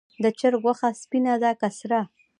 د چرګ غوښه سپینه ده که سره؟